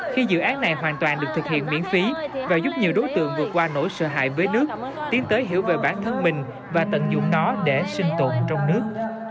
khi dự án này hoàn toàn được thực hiện miễn phí và giúp nhiều đối tượng vượt qua nỗi sợ hại với nước tiến tới hiểu về bản thân mình và tận dụng nó để sinh tồn trong nước